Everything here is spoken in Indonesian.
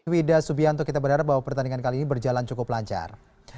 wida subianto kita berharap bahwa pertandingan kali ini berjalan cukup lancar